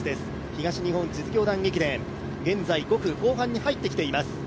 東日本実業団駅伝、現在５区後半に入ってきています。